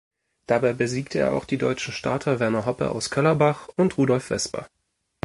Dabei besiegte er auch die deutschen Starter Werner Hoppe aus Köllerbach und Rudolf Vesper.